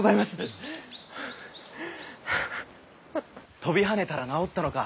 ・跳びはねたら治ったのか。